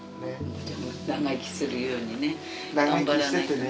長生きするようにね頑張らないとね。